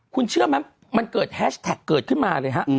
คุณเชื่อไหมมันเกิดแฮชแท็กเกิดขึ้นมาเลยฮะ